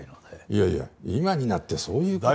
いやいや今になってそういう事。